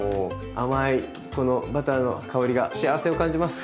甘いこのバターの香りが幸せを感じます。